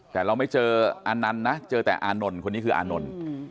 แต่เราไม่เจออานันต์นะเจอแต่อานนท์คนนี้คืออานนท์